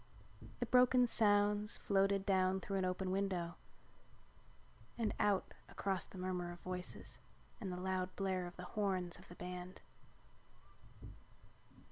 The broken sounds floated down through an open window and out across the murmur of voices and the loud blare of the horns of the band.